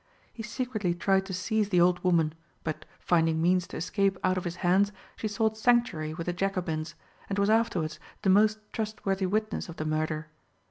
He secretly tried to seize the old woman, but, finding means to escape out of his hands, she sought sanctuary with the Jacobins,(8) and was afterwards the most trustworthy witness of the murder.